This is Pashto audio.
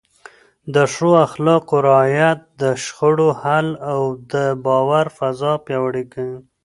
د ښو اخلاقو رعایت د شخړو حل او د باور فضا پیاوړې کوي.